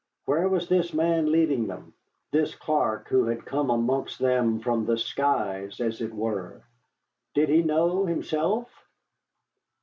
Where was this man leading them, this Clark who had come amongst them from the skies, as it were? Did he know, himself?